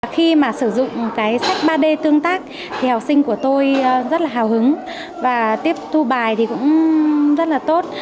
khi mà sử dụng cái sách ba d tương tác thì học sinh của tôi rất là hào hứng và tiếp thu bài thì cũng rất là tốt